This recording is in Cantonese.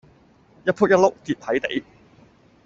一僕一碌跌係地